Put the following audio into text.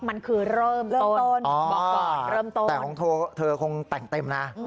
มันคือเริ่มต้นบอกก่อนเริ่มต้นอ๋อแต่ของเธอคงแต่งเต็มนะ